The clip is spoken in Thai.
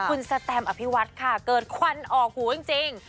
คุณสแตมอภิวัฒน์ค่ะเกิดควันออกหูจริง